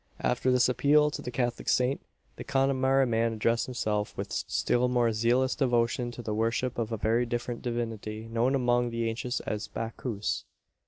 After this appeal to the Catholic saint, the Connemara man addressed himself with still more zealous devotion to the worship of a very different divinity, known among the ancients as Bacchus.